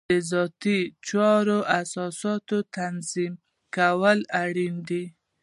د ذاتي چارو د اساساتو تنظیم کول اړین دي.